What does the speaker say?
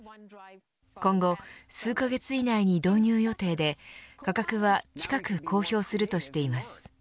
今後、数カ月以内に導入予定で価格は近く公表するとしています。